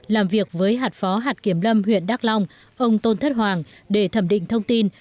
làm việc với hạt phó hạt kiểm lâm huyện đắk long ông tôn thất hoàng để thẩm định thông tin